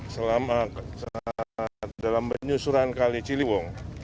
selama dalam penyusuran kali ciliwung